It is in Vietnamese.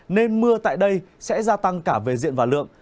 nên mưa tại đây sẽ gia tăng cả về diện và lượng